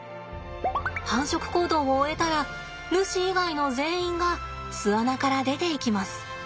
繁殖行動を終えたらヌシ以外の全員が巣穴から出ていきます。